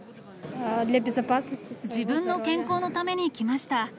自分の健康のために来ました。